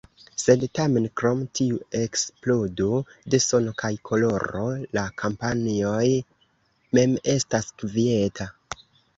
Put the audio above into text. Sed tamen krom tiu eksplodo de sono kaj koloro, la kampanjoj mem estas kvieta.